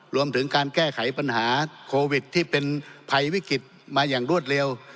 รวมถึงการแก้ไขปัญหาโควิดที่เป็นภัยวิกฤตมาอย่างรวดเร็ว